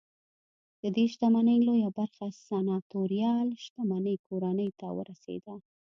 ددې شتمنۍ لویه برخه سناتوریال شتمنۍ کورنۍ ته ورسېده